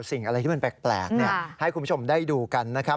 สิ่งอะไรที่มันแปลกให้คุณผู้ชมได้ดูกันนะครับ